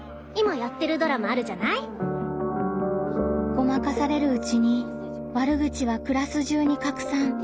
ごまかされるうちに悪口はクラス中に拡散。